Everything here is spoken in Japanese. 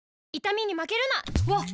わっ！